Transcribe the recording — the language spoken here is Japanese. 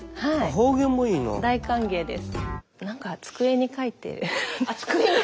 大歓迎です。